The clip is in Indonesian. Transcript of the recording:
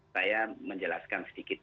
saya menjelaskan sedikit